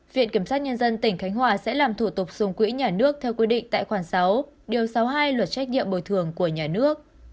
viện kiểm sát nhân dân tỉnh khánh hòa sẽ làm thủ tục dùng quỹ nhà nước theo quy định tại khoản sáu điều sáu mươi hai luật trách nhiệm bồi thường của nhà nước